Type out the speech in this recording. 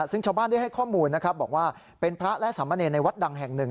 ซึ่งชาวบ้านได้ให้ข้อมูลนะครับบอกว่าเป็นพระและสามเณรในวัดดังแห่งหนึ่ง